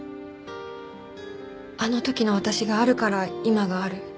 あの時の私があるから今がある。